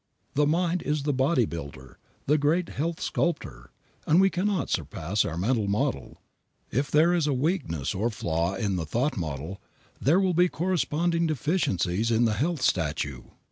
The mind is the body builder, the great health sculptor, and we cannot surpass our mental model. If there is a weakness or flaw in the thought model, there will be corresponding deficiencies in the health statue.